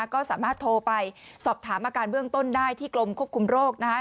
ก็สามารถโทรไปสอบถามอาการเบื้องต้นได้ที่กรมควบคุมโรคนะคะ